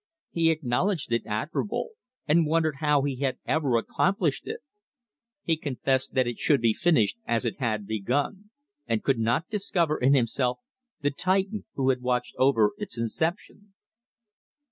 He acknowledged it admirable, and wondered how he had ever accomplished it! He confessed that it should be finished as it had begun, and could not discover in himself the Titan who had watched over its inception.